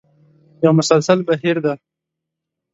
یو مسلسل بهیر دی.